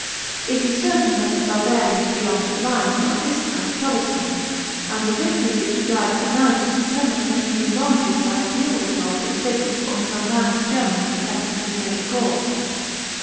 It is certain that the barbarians beyond the limes were at this time troublesome, and the victory which Gaius announced to the senate may have been warranted by a real repulse inflicted on some band of Germans attempting to invade Gaul.